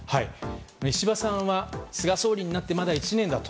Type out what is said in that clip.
石破さんは菅総理になって、まだ１年だと。